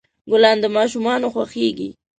ګلان د ماشومان خوښیږي.